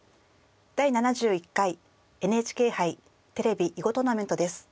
「第７１回ＮＨＫ杯テレビ囲碁トーナメント」です。